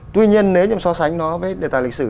tuy nhiên nếu nhầm so sánh nó với đề tài lịch sử